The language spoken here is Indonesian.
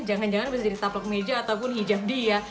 jangan jangan bisa jadi taplok meja ataupun hijab dia